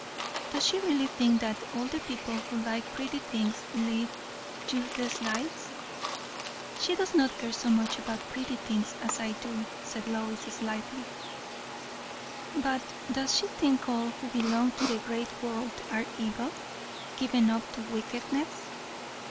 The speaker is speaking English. "Does she really think that all the people who like pretty things, lead useless lives?" "She does not care so much about pretty things as I do," said Lois slightly. "But does she think all who belong to the 'great world' are evil? given up to wickedness?"